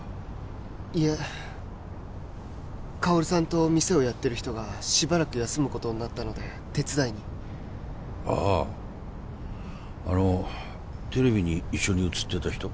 いえ香さんと店をやってる人がしばらく休むことになったので手伝いにあああのテレビに一緒に映ってた人？